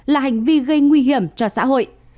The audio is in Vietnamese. là hành vi gây nguy hiểm cho xã hội